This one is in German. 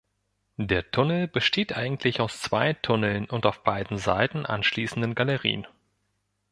Der Tunnel besteht eigentlich aus zwei Tunneln und auf beiden Seiten anschließenden Galerien.